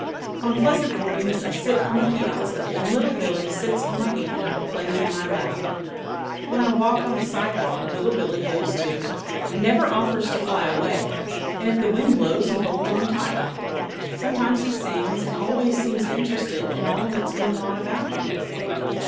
On pleasant mornings I sit on the piazza and Little Billee sits on my hand or plays in my lap. When I walk on the sidewalk Little Billee goes, too, and never offers to fly away, and if the wind blows he holds on tight. Sometimes he sings and always seems interested in all that is going on about him.